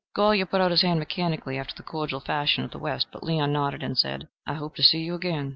Golyer put out his hand mechanically, after the cordial fashion of the West. But Leon nodded and said, "I hope to see you again."